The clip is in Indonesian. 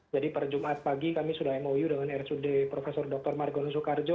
jadi per jumat pagi kami sudah mou dengan rsud profesor dr margono soekarjo